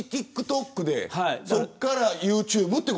入り口ＴｉｋＴｏｋでそこから、ＹｏｕＴｕｂｅ。